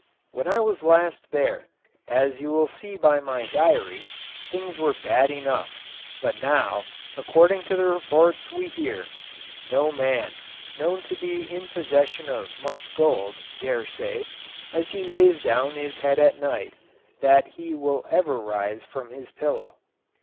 When I was last there, as you will see by my diary, things were bad enough; but now, according to the reports we hear, no man, known to be in possession of much gold, dare say, as he lays down his head at night, that he will ever rise from his pillow.